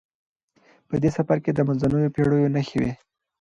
په دې سفر کې د منځنیو پیړیو نښې وې.